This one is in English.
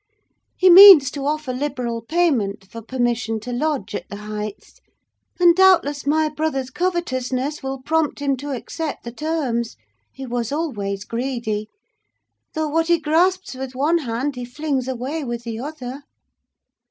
He means to offer liberal payment for permission to lodge at the Heights; and doubtless my brother's covetousness will prompt him to accept the terms: he was always greedy; though what he grasps with one hand he flings away with the other."